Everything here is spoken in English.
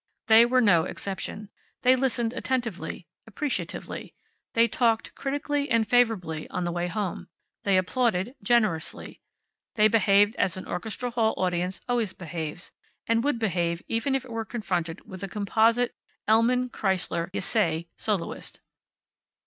They were no exception. They listened attentively, appreciatively. They talked, critically and favorably, on the way home. They applauded generously. They behaved as an Orchestra Hall audience always behaves, and would behave, even if it were confronted with a composite Elman Kreisler Ysaye soloist.